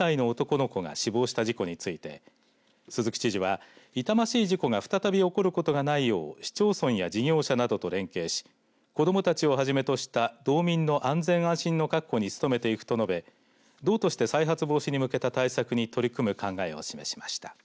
脇に突っ込み２歳の男の子が死亡した事故について鈴木知事は痛ましい事故が再び起こることがないよう市町村や事業者などと連携し子どもたちをはじめとした道民の安全安心の確保に努めていくと述べ道として再発防止に向けた対策に取り組む考えを示しました。